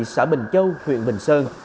xã bình châu huyện bình sơn